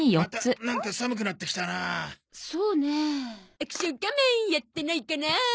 『アクション仮面』やってないかな。